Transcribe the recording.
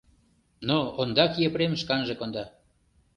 Но ондак Епрем шканже конда.